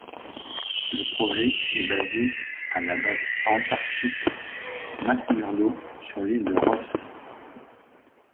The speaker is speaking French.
Le projet est basé à la base antarctique McMurdo sur l'île de Ross.